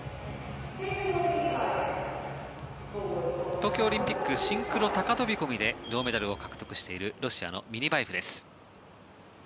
東京オリンピックシンクロ高飛込で銅メダルを獲得しているロシアのミニバエフです。